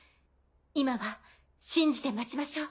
今は信じて待ちましょう。